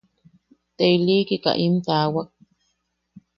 Te ilikika im taawak.